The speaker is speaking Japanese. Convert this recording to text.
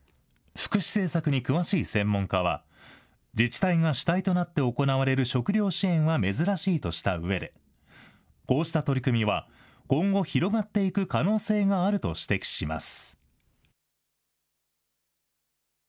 福祉政策に詳しい専門家は、自治体が主体となって行われる食料支援は珍しいとしたうえで、こうした取り組みは、今後広がっていく可能性があると指摘します。